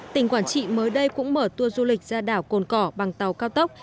tỉnh quảng trị mới đây cũng mở tour du lịch ra đảo cồn cỏ bằng tàu cao tốc